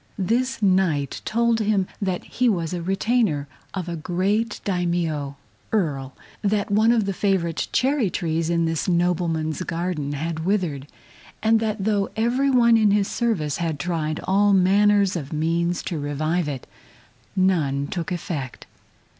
This Knight told him that he was a retainer of a great Daimio (Earl); that one of the favorite cherry trees in this nobleman's garden had withered, and that though every one in his service had tried all manner of means to revive it, none took effect.